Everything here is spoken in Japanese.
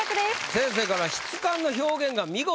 先生から「質感の表現が見事！」